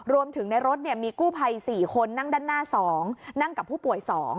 รวมถึงในรถมีกู้ภัย๔คนนั่งด้านหน้า๒นั่งกับผู้ป่วย๒